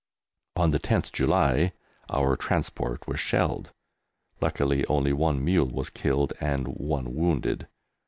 On the 10th July our Transport was shelled. Luckily only one mule was killed and one wounded.